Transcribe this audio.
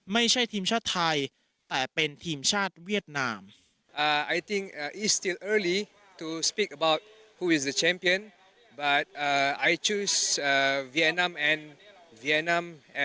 ไม่ใช่ทีมชาติไทยแต่เป็นทีมชาติเวียดนาม